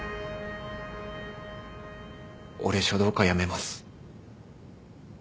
俺書道家辞めます。